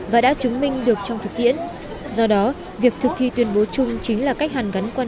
và đã chứng minh được trong thực tiễn do đó việc thực thi tuyên bố chung chính là cách hàn gắn quan